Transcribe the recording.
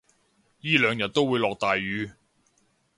依兩日都會落大雨